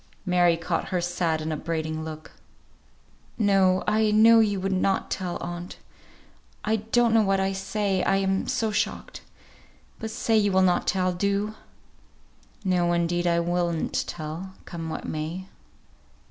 Mary caught her sad and upbraiding look. "No! I know you would not tell, aunt. I don't know what I say, I am so shocked. But say you will not tell. Do." "No, indeed I will not tell, come what may."